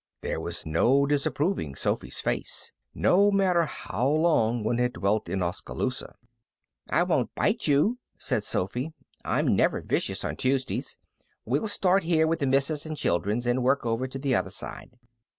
There was no disapproving Sophy's face, no matter how long one had dwelt in Oskaloosa. "I won't bite you," said Sophy. "I'm never vicious on Tuesdays. We'll start here with the misses' an' children's, and work over to the other side."